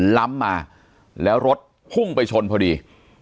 ล้ำมาแล้วรถพุ่งไปชนพอดี